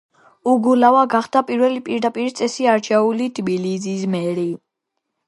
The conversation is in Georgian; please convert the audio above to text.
უგულავა გახდა პირველი პირდაპირი წესით არჩეული თბილისის მერი.